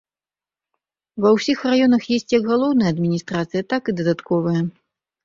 Ва ўсіх раёнах ёсць як галоўная адміністрацыя, так і дадатковая.